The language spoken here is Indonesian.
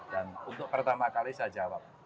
dan untuk pertama kali saya jawab